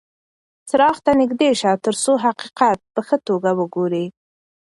څراغ ته نږدې شه ترڅو حقیقت په ښه توګه وګورې.